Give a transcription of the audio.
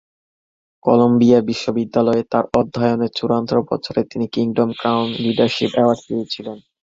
Colombia বিশ্ববিদ্যালয়ে তার অধ্যয়নের চূড়ান্ত বছরে তিনি কিংডম ক্রাউন লিডারশিপ অ্যাওয়ার্ড পেয়েছিলেন।